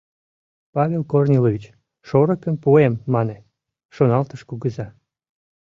«Павел Корнилович, шорыкым пуэм, мане, — шоналтыш кугыза.